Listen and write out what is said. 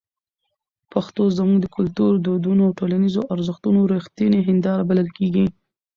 پښتو زموږ د کلتور، دودونو او ټولنیزو ارزښتونو رښتینې هنداره بلل کېږي.